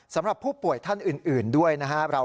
สำหรับผู้ป่วยท่านอื่นด้วยนะครับ